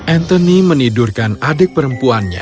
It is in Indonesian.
anthony menidurkan adik perempuannya